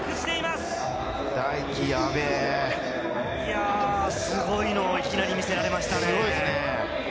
すごいのをいきなり見せられましたね。